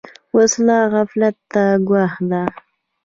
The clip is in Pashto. وسله عفت ته ګواښ ده